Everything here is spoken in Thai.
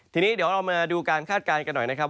ทีนี้เดี๋ยวเรามาดูการคาดการณ์กันหน่อยนะครับ